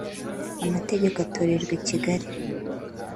amategeko atorerwa i Kigali